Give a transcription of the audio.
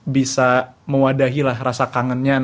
bisa mewadahi lah rasa kangennya